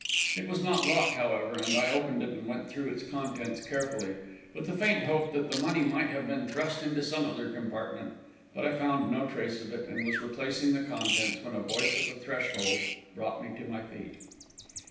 It was not locked, however, and I opened it and went through its contents carefully, with the faint hope that the money might have been thrust into some other compartment. But I found no trace of it, and was replacing the contents, when a voice at the threshold brought me to my feet.